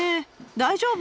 大丈夫？